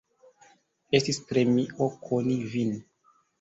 Estis premio koni vin.